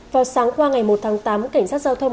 vào sáng qua ngày một tháng tám